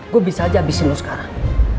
gue bisa aja habisin lo sekarang